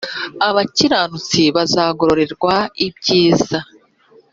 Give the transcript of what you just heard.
abakiranutsi bazagororerwa ibyiza